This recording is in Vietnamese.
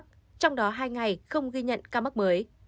trong đó hai ngày không ghi nhận ca mắc mới